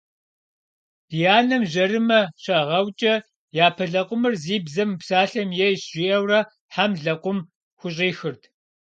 Ди анэм жьэрымэ щагъэукӏэ, «япэ лэкъумыр зи бзэ мыпсалъэм ейщ» жиӏэурэ хьэм лэкъум хущӏихырт.